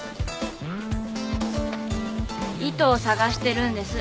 糸を捜してるんです。